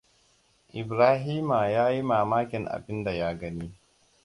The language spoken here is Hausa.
Ibrahima ya yi mamakin abinda ya gani.